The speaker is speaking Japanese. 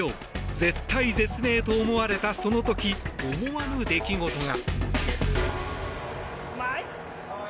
絶体絶命と思われた、その時思わぬ出来事が。